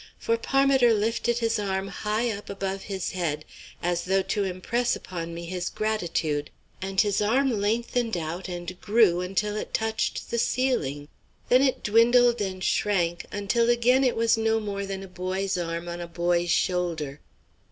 For Parmiter lifted his arm high up above his head as though to impress upon me his gratitude, and his arm lengthened out and grew until it touched the ceiling. Then it dwindled and shrank until again it was no more than a boy's arm on a boy's shoulder.